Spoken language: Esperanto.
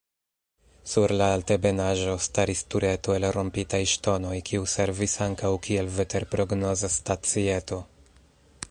Sur la altebenaĵo staris tureto el rompitaj ŝtonoj kiu servis ankaŭ kiel veterprognozstacieto.